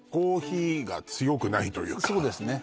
そうですね